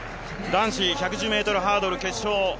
男子１１０ｍハードル決勝。